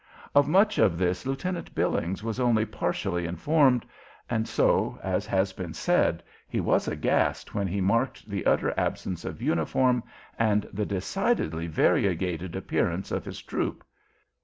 Of much of this Lieutenant Billings was only partially informed, and so, as has been said, he was aghast when he marked the utter absence of uniform and the decidedly variegated appearance of his troop.